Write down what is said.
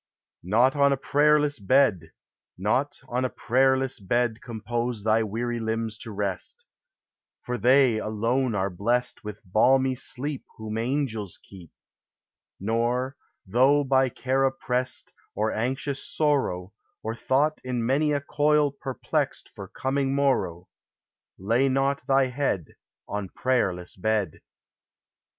Not on a prayerless bed, not on a prayerless bed Compose thy weary limbs to rest; For they alone are blessed With balmy sleep Whom angels keep; Nor, though by care oppressed, Or anxious sorrow, Or thought in many a coil perplexed For coming morrow, Lay not thy head On prayerless bed.